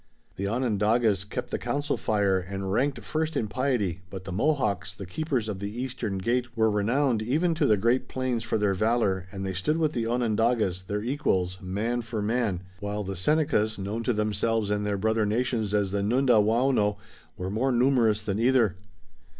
The Onondagas kept the council fire, and ranked first in piety, but the Mohawks, the Keepers of the Eastern Gate, were renowned even to the Great Plains for their valor, and they stood with the Onondagas, their equals man for man, while the Senecas, known to themselves and their brother nations as the Nundawaono, were more numerous than either.